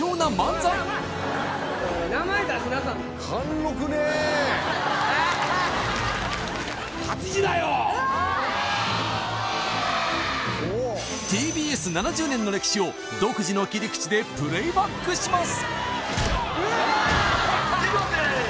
全員集合ＴＢＳ７０年の歴史を独自の切り口でプレイバックします